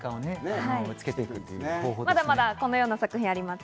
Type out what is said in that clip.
まだまだこのような作品があります。